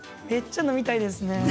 めっちゃ飲みたいですね。